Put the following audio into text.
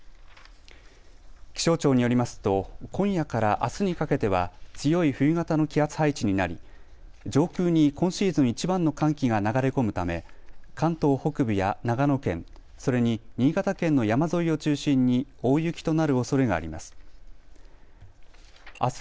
気象庁によりますと今夜からあすにかけては強い冬型の気圧配置になり上空に今シーズンいちばんの寒気が流れ込むため関東北部や長野県、それに新潟県の山沿いを中心に大雪となるおそれがあります。